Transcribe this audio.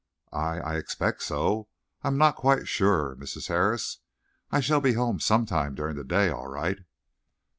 "I I expect so. I am not quite sure, Mrs. Harris. I shall be home sometime during the day, all right."